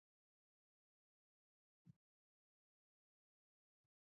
دوی باید د انجنیری په اخلاقو پوه وي.